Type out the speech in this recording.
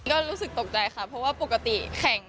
ก็รู้สึกตกใจค่ะเพราะว่าปกติแข่ง